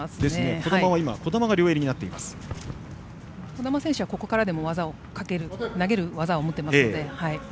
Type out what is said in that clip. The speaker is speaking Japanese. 児玉選手は、ここからでも投げる技を持っていますので。